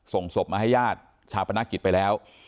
ส่งศพมาให้ญาติชาปนกิจไปแล้ว